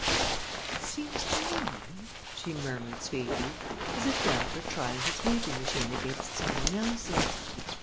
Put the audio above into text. "It seems to me," she murmured sweetly, "as if dad were trying his reaping machine against some one else's."